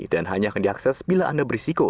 dan hanya akan diakses bila anda berisiko